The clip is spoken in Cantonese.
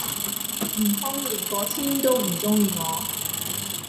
唔通連個天都唔鐘意我？